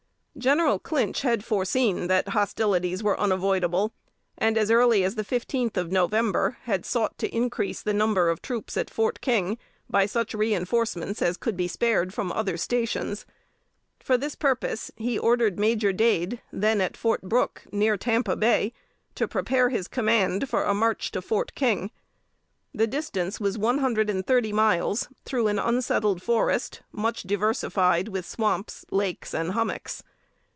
General Clinch had foreseen that hostilities were unavoidable, and, as early as the fifteenth of November, had sought to increase the number of troops at Fort King by such reinforcements as could be spared from other stations. For this purpose, he ordered Major Dade, then at Fort Brooke, near Tampa Bay, to prepare his command for a march to Fort King. The distance was one hundred and thirty miles, through an unsettled forest, much diversified with swamps, lakes and hommocks.